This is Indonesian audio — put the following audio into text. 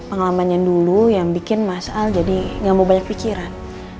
pengalamannya dulu yang bikin mas al jadi gak mau banyak pikiran